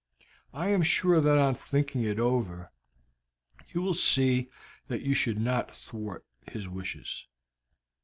I am sure that on thinking it over you will see that you should not thwart his wishes."